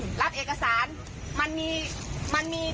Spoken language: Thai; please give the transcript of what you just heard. วันนี้เท่าไรว่ามาครับอย่าเดินหนีสิ